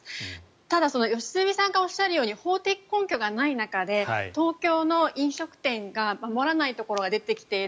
ただ、良純さんがおっしゃるように法的根拠がない中で東京の飲食店が守らないところが出てきている。